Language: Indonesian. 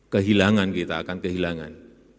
kehilangan kita akan kehilangan